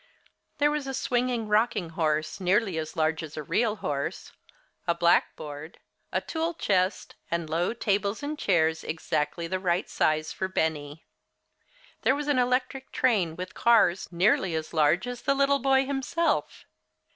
There was a swinging rocking horse, nearly as large as a real horse, a blackboard, a tool chest, and low tables and chairs exactly the right size for Benny. There was an electric train with cars nearly as large as the little boy himself.